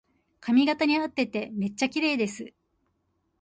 髪型にあっててめっちゃきれいです